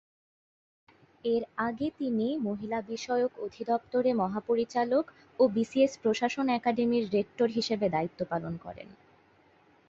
এর আগে তিনি মহিলা বিষয়ক অধিদপ্তরে মহাপরিচালক ও বিসিএস প্রশাসন একাডেমির রেক্টর হিসেবে দায়িত্ব পালন করেন।